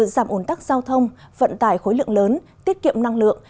giảm ồn tắc giao thông vận tải khối lượng lớn tiết kiệm năng lượng